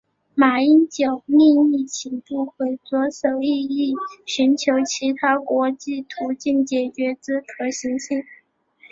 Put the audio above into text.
马英九另亦请部会着手研议寻求其他国际途径解决之可行性。